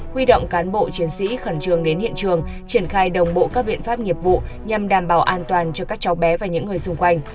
huy động cán bộ chiến sĩ khẩn trương đến hiện trường triển khai đồng bộ các biện pháp nghiệp vụ nhằm đảm bảo an toàn cho các cháu bé và những người xung quanh